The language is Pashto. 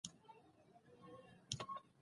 د افغانستان په منظره کې تاریخ ښکاره ده.